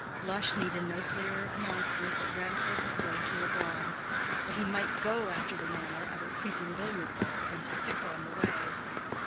Lush needed no clearer announcement that Grandcourt was going to Leubronn; but he might go after the manner of a creeping billiard ball and stick on the way.